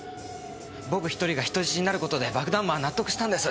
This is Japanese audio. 僕１人が人質になる事で爆弾魔は納得したんです。